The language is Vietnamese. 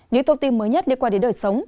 những thông tin mới nhất liên quan đến đời sống